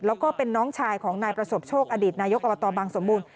แล้วก็เป็นน้องชายของนายประสบโชคอดีตนายกอบตบังสมบูรณ